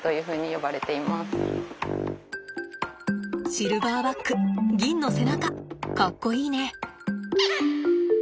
シルバーバック銀の背中かっこいいね！